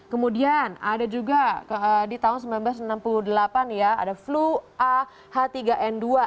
kemudian ada juga di tahun seribu sembilan ratus enam puluh delapan ya ada flu a h tiga n dua